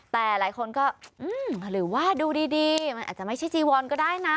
แต่หลายคนก็หรือว่าดูดีมันอาจจะไม่ใช่จีวอนก็ได้นะ